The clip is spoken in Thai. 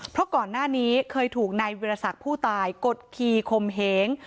เพราะก่อนหน้านี้เคยถูกนายวิรสักผู้ตายกดขี่คมเหง